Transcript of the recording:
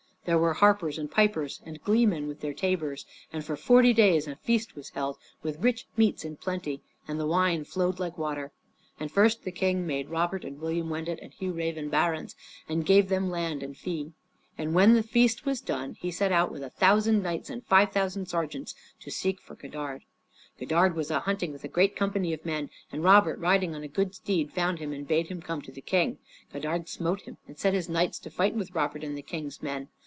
There were harpers and pipers and gleemen with their tabors; and for forty days a feast was held with rich meats in plenty and the wine flowed like water. And first the King made Robert and William Wendut and Hugh Raven barons, and gave them land and fee. Then when the feast was done, he set out with a thousand knights and five thousand sergeants to seek for Godard. Godard was a hunting with a great company of men, and Robert riding on a good steed found him and bade him to come to the King. Godard smote him and set on his knights to fight with Robert and the King's men.